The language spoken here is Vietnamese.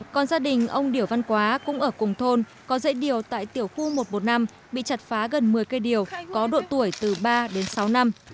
còn gia đình ông điểu văn quá cũng ở cùng thôn có dễ điều tại tiểu khu một trăm một mươi năm bị chặt phá gần một mươi cây điều có độ tuổi từ ba đến sáu năm